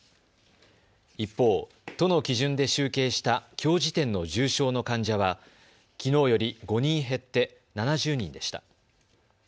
一方、都の基準で集計したきょう時点の重症の患者はきのうより５人減って７０人でした。